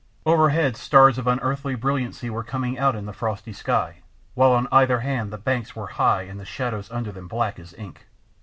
Overhead stars of unearthly brilliancy were coming out in the frosty sky, while on either hand the banks were high and the shadows under them black as ink.